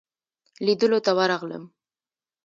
لیدلو ته ورغلم.